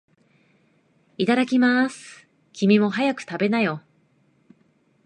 いただきまーす。君も、早く食べなよ。